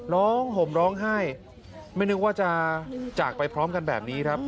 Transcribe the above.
ห่มร้องไห้ไม่นึกว่าจะจากไปพร้อมกันแบบนี้ครับ